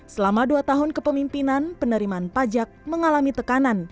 selama dua tahun kepemimpinan penerimaan pajak mengalami tekanan